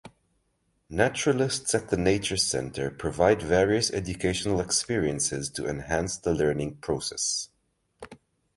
Naturalists at the nature center provide various educational experiences to enhance the learning process.